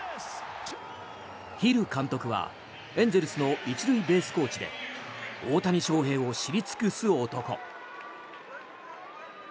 ヒル監督はエンゼルスの１塁ベースコーチで大谷翔平を知り尽くす男。